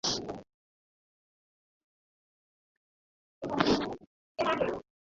তাঁর পরিবারের সদস্যরা ময়নাতদন্ত ছাড়াই মরদেহ মাগুরায় গ্রামের বাড়িতে নিয়ে গেছেন।